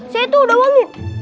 saya tuh udah mandi